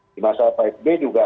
di masa pak s b juga